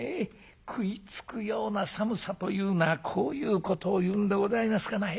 食いつくような寒さというのはこういうことを言うんでございますかなへえ。